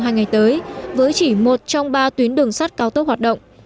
hai ngày tới với chỉ một trong ba tuyến đường sắt cao tốc hoạt động